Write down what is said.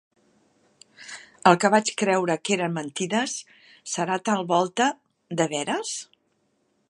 El que vaig creure que eren mentides, serà tal volta de veres?